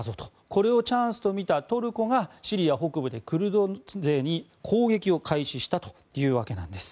これをチャンスと見たトルコがシリア北部でクルド人勢力に攻撃を開始したというわけなんです。